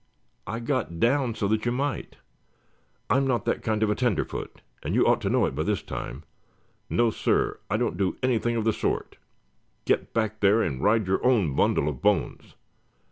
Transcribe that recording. "I got down so that you might." "I'm not that kind of a tenderfoot and you ought to know it by this time. No, sir; I don't do anything of the sort. Get back there and ride your own bundle of bones."